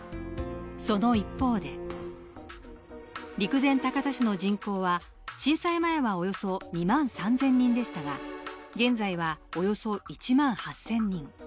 その一方で、陸前高田市の人口は、震災前はおよそ２万３０００人でしたが、現在はおよそ１万８０００人。